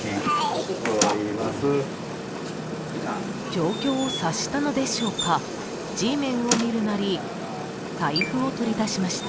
［状況を察したのでしょうかＧメンを見るなり財布を取り出しました］